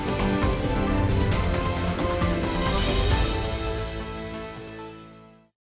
jadi kita harus bergabung